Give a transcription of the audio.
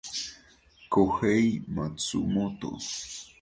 Kohei Matsumoto